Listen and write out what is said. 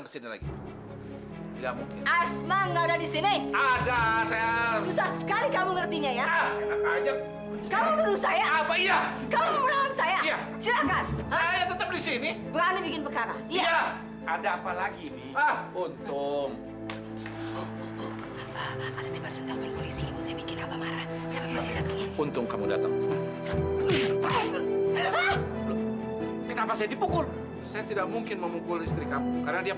bos kita buang kemana dia